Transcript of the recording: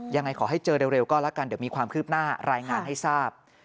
ยังไงขอให้เจอเร็วก็แล้วกันเดี๋ยวมีความคืบหน้ารายงานให้ทราบ